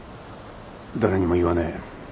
誰にも言わねえ。